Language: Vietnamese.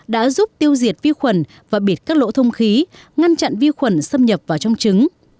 đã giúp tiêu diệt vi khuẩn và bịt các lỗ thông khí ngăn chặn vi khuẩn xâm nhập vào trong trứng